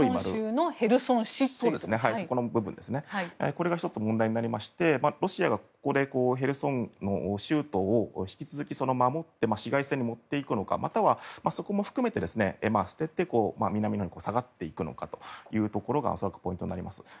これが１つ問題になりましてロシアがここでヘルソンの州都を引き続き守って市街戦に持っていくのかまたはそこを含めて南に下がっていくのかというところがポイントになります。